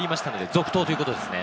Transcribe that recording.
続投ということですね。